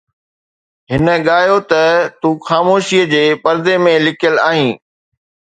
هن ڳايو ته تون خاموشيءَ جي پردي ۾ لڪيل آهين